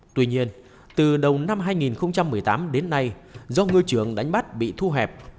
tuy nhiên từ đầu năm hai nghìn một mươi tám đến nay do ngư trường đánh bắt bị thu hẹp